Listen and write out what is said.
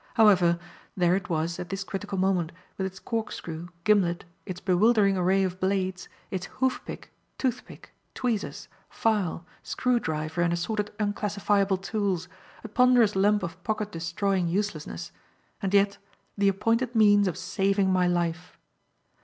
However, there it was at this critical moment, with its corkscrew, gimlet, its bewildering array of blades, its hoof pick, tooth pick, tweezers, file, screw driver and assorted unclassifiable tools; a ponderous lump of pocket destroying uselessness and yet, the appointed means of saving my life.